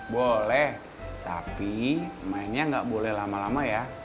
boleh tapi mainnya nggak boleh lama lama ya